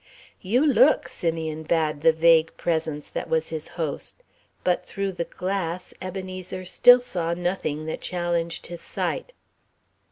"You look," Simeon bade the vague presence that was his host; but through the glass, Ebenezer still saw nothing that challenged his sight.